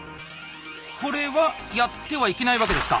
これはやってはいけないわけですか？